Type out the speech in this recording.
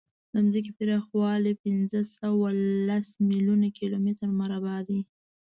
د ځمکې پراخوالی پینځهسوهلس میلیونه کیلومتره مربع دی.